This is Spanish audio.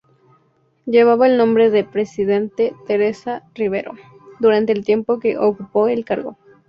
Llevaba el nombre de presidenta Teresa Rivero, durante el tiempo que ocupó el cargo.